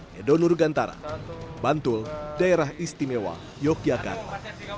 nedo nur gantara bantul daerah istimewa yogyakarta